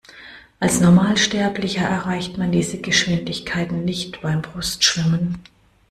Als Normalsterblicher erreicht man diese Geschwindigkeiten nicht beim Brustschwimmen.